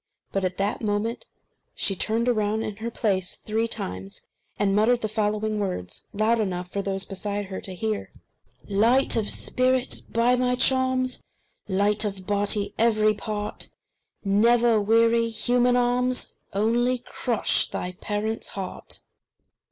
But at that moment she turned round in her place three times, and muttered the following words, loud enough for those beside her to hear: "Light of spirit, by my charms, Light of body, every part, Never weary human arms Only crush thy parents' heart!"